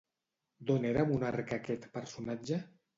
D'on era monarca aquest personatge?